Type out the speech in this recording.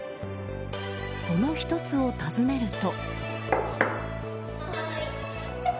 その１つを訪ねると。